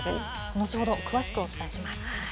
後ほど、詳しくお伝えします。